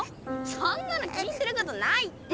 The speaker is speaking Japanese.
そんなの気にすることないって。